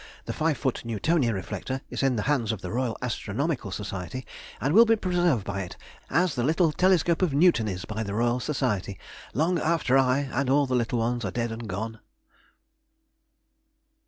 The five foot Newtonian reflector is in the hands of the Royal Astronomical Society, and will be preserved by it as the little telescope of Newton is by the Royal Society, long after I and all the little ones are dead and gone.